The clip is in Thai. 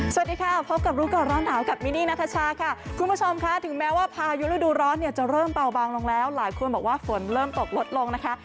สวัสดีค่ะพบกับรู้ก่อนร้อนหนาวกับมินนี่นัทชาค่ะคุณผู้ชมค่ะถึงแม้ว่าพายุฤดูร้อนเนี่ยจะเริ่มเบาบางลงแล้วหลายคนบอกว่าฝนเริ่มตกลดลงนะคะ